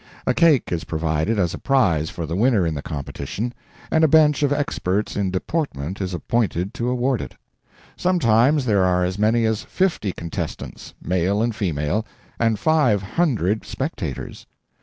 A cake is provided as a prize for the winner in the competition, and a bench of experts in deportment is appointed to award it. Sometimes there are as many as fifty contestants, male and female, and five hundred spectators.